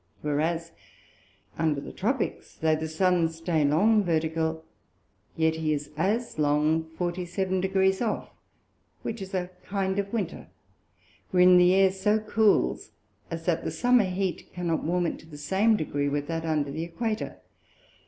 Whereas under the Tropicks, though the Sun stay long Vertical, yet he is as long 47 Degr. off; which is a kind of Winter, wherein the Air so cools, as that the Summer heat cannot warm it to the same degree with that under the Æquator.